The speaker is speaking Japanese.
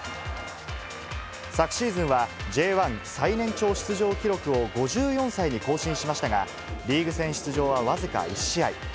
昨シーズンは、Ｊ１最年長出場記録を５４歳に更新しましたが、リーグ戦出場は僅か１試合。